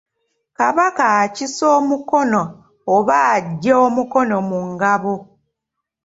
Kabaka akisa omukono oba aggya omukono mu ngabo.